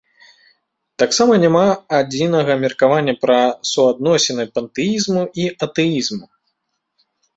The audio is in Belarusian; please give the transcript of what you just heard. Таксама няма адзінага меркавання пра суадносіны пантэізму і атэізму.